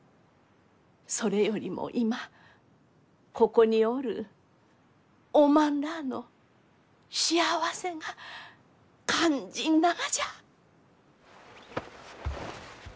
それよりも今ここにおるおまんらあの幸せが肝心ながじゃ。